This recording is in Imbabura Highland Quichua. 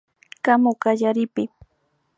Kamu kallaripi